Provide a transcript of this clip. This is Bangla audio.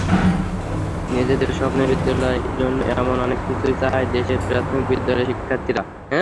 নিজেদের স্বপ্নের বিদ্যালয়ের জন্য এমন অনেক কিছুই চায় দেশের প্রাথমিক বিদ্যালয়ের শিক্ষার্থীরা।